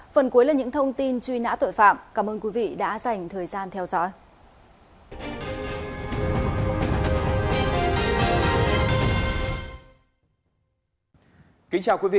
phần cuối là những thông tin truy nã tội phạm cảm ơn quý vị đã dành thời gian theo dõi